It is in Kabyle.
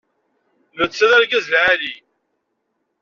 Netta d argaz lɛali.